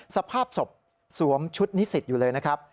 สภาพศพสวมชุดนิสิตอยู่เลยนะครับ